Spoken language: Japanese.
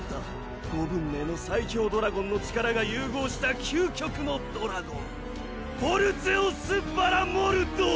五文明の最強ドラゴンの力が融合した究極のドラゴンヴォルゼオス・バラモルド！